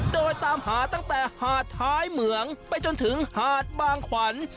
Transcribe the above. โดยตามหาตั้งแต่หาดท้ายเหมืองไปจนถึงหาดบางขวัญ